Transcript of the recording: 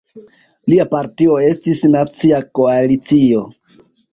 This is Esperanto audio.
Lia partio estis Nacia Koalicio.